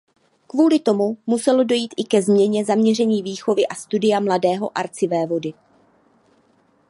Kvůli tomu muselo dojít i ke změně zaměření výchovy a studia mladého arcivévody.